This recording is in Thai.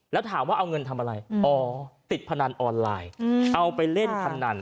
แล้วถามว่าเอาเงินทำอะไรอ๋อติดพนันออนไลน์เอาไปเล่นพนัน